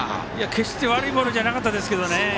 決して、悪いボールじゃなかったですけどね。